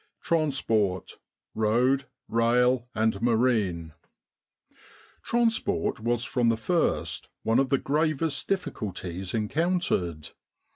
TRANSPORT : ROAD, RAIL, AND MARINE Transport was from the first one of the gravest difficulties encountered.